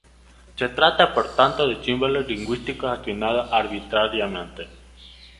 Se trata por tanto de símbolos lingüísticos asignados arbitrariamente.